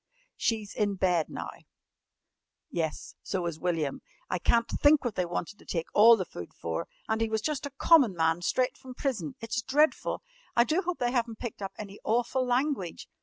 She's in bed now " "Yes, so is William. I can't think what they wanted to take all the food for. And he was just a common man straight from prison. It's dreadful. I do hope they haven't picked up any awful language.